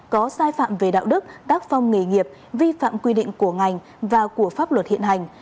có sai phạm về đạo đức tác phong nghề nghiệp vi phạm quy định của ngành và của pháp luật hiện hành